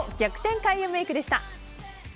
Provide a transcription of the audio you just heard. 開運メイクでした。